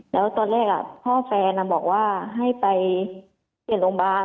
แล้วตอนแรกพ่อแฟนบอกว่าให้ไปเปลี่ยนโรงพยาบาล